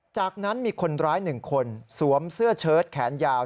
จากนั้นมีคนร้าย๑คนสวมเสื้อเชิดแขนยาว